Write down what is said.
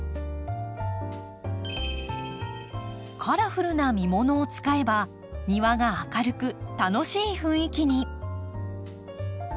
カラフルな実ものを使えば庭が明るく楽しい雰囲気に。